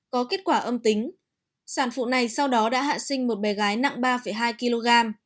có kết quả âm tính sản phụ này sau đó đã hạ sinh một bé gái nặng ba hai kg